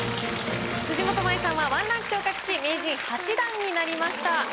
辻元舞さんは１ランク昇格し名人８段になりました。